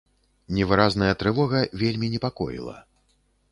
Невыразная трывога вельмі непакоіла.